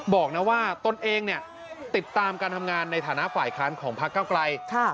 บอกนะว่าตนเองเนี่ยติดตามการทำงานในฐานะฝ่ายค้านของพักเก้าไกล